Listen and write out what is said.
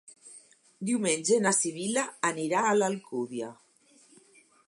Diumenge na Sibil·la anirà a l'Alcúdia.